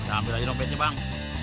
ambil aja dompetnya bang